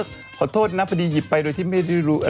แต่เขาได้ไปแล้วนะ